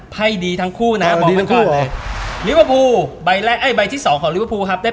ไภดีทั้งคู่นะ